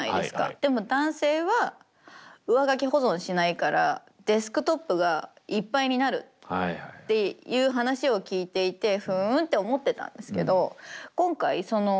でも男性は上書き保存しないからデスクトップがいっぱいになるっていう話を聞いていてふんって思ってたんですけど今回その何だろう